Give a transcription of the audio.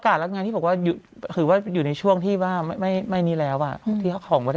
อันนี้คือลงปอดแน่นอน